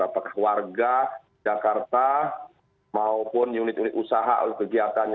apakah warga jakarta maupun unit unit usaha atau kegiatan